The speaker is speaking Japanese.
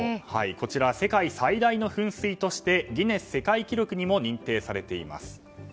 こちらは世界最大の噴水としてギネス世界記録にも認定されています。